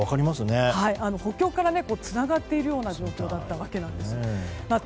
北極からつながっているような状況だったわけです。